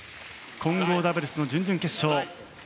混合ダブルスの準々決勝。